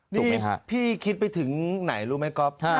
นี่พี่คิดไปถึงไหนรู้ไหมก๊อฟ